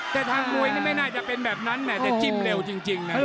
แต่ทางมวยนี่ไม่น่าจะเป็นแบบนั้นแหมแต่จิ้มเร็วจริงนะ